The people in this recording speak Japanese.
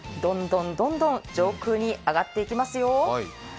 どんどん上空に上がっていきますよ。